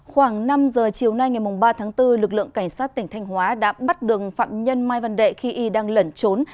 khoảng năm giờ chiều nay ngày ba tháng bốn lực lượng cảnh sát tỉnh thanh hóa đã bắt đường phạm nhân mai văn đệ khi y đang lẩn trốn